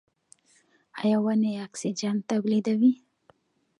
ایا ونې اکسیجن تولیدوي؟